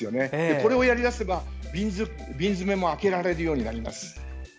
これをやり出せば瓶詰も開けられるようになります。